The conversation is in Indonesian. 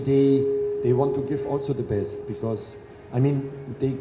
mereka juga ingin memberikan yang terbaik